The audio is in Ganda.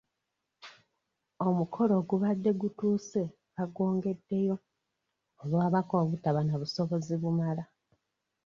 Omukolo ogubadde gutuuse bagwongeddeyo olw'abako obutaba na busobozi bumala.